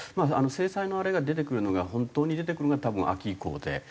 制裁のあれが出てくるのが本当に出てくるのが多分秋以降で。